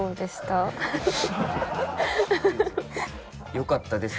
よかったです。